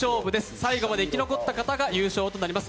最後まで生き残った方が優勝となります。